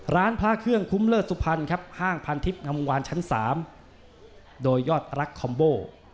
ร้านพระเครื่องคุ้มเลิศสุพรรณครับห้างพันทิพย์งามวงวานชั้น๓โดยยอดรักคอมโบ